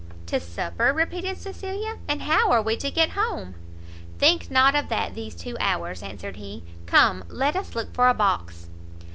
"To supper?" repeated Cecilia, "and how are we to get home?" "Think not of that these two hours," answered he; "come, let us look for a box."